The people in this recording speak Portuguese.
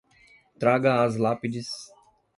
Traga as lápides